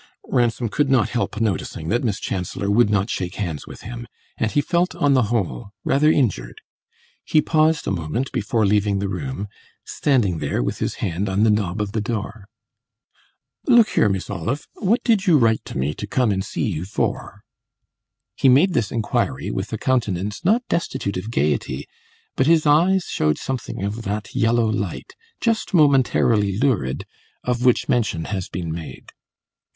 Ransom could not help noticing that Miss Chancellor would not shake hands with him, and he felt, on the whole, rather injured. He paused a moment before leaving the room standing there with his hand on the knob of the door. "Look here, Miss Olive, what did you write to me to come and see you for?" He made this inquiry with a countenance not destitute of gaiety, but his eyes showed something of that yellow light just momentarily lurid of which mention has been made.